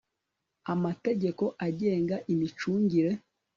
amategeko agenga imicungire